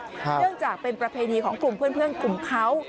เนื่องจากเป็นประเพณีของกลุ่มเพื่อนกลุ่มเขา